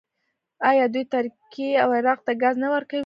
آیا دوی ترکیې او عراق ته ګاز نه ورکوي؟